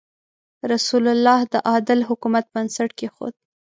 رسول الله د عادل حکومت بنسټ کېښود.